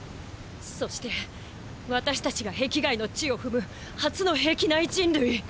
そして私たちが壁外の地を踏む初の壁内人類。